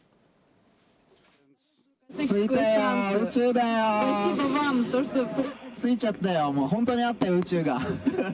着いちゃったよ、もう本当にあったよ、宇宙が。